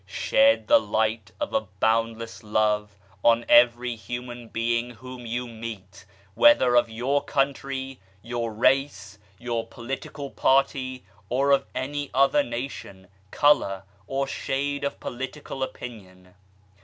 Shed the Light of a bound less love on every human being whom you meet, whether of your country, your race, your political party, or of any other nation, colour or shade of political opinion.